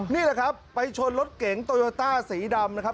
นี่แหละครับไปชนรถเก๋งโตโยต้าสีดำนะครับ